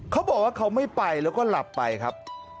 เขาบอกว่าเขาไม่ไปแล้วก็หลับไปครับ